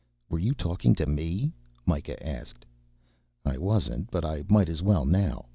"Were you talking to me?" Mikah asked. "I wasn't but I might as well now.